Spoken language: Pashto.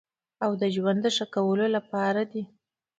او د ژوند د ښه کولو لپاره دی.